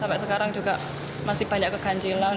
yang juga masih banyak keganjilan